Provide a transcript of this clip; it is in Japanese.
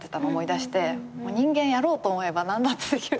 人間やろうと思えば何だってできるから。